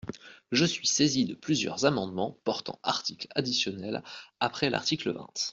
Je suis saisi de plusieurs amendements portant article additionnel après l’article vingt.